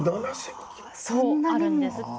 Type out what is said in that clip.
そうあるんです。